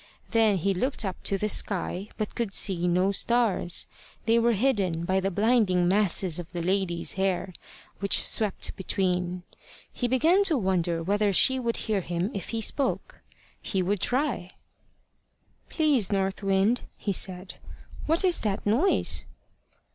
Then he looked up to the sky, but could see no stars; they were hidden by the blinding masses of the lady's hair which swept between. He began to wonder whether she would hear him if he spoke. He would try. "Please, North Wind," he said, "what is that noise?"